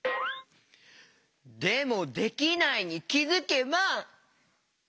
でも「できないに気づけば」？